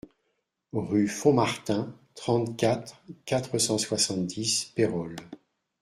Rue Font Martin, trente-quatre, quatre cent soixante-dix Pérols